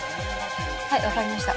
はいわかりました。